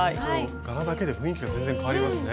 柄だけで雰囲気が全然変わりますね。